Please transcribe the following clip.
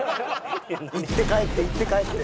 行って帰って行って帰って。